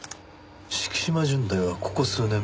敷島純大はここ数年